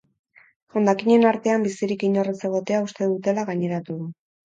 Hondakinen artean bizirik inor ez egotea uste dutela gaineratu du.